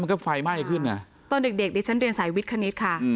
แล้วมันก็ไฟมากยังขึ้นอ่ะตอนเด็กเด็กเดี๋ยวฉันเรียนสายวิทย์คณิตค่ะอืม